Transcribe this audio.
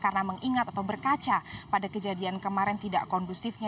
karena mengingat atau berkaca pada kejadian kemarin tidak kondusifnya